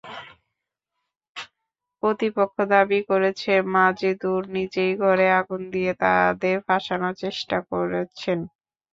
প্রতিপক্ষ দাবি করেছে, মাজেদুর নিজেই ঘরে আগুন দিয়ে তাঁদের ফাঁসানোর চেষ্টা করছেন।